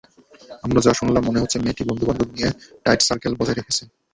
আমরা যা শুনলাম, মনে হচ্ছে মেয়েটি বন্ধুবান্ধব নিয়ে টাইট সার্কেল বজায় রেখেছে।